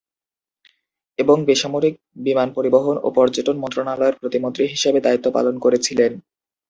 এবং বেসামরিক বিমান পরিবহন ও পর্যটন মন্ত্রণালয়ের প্রতিমন্ত্রী হিসেবে দায়িত্ব পালন করেছিলেন।